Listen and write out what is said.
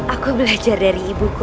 aku belajar dari ibuku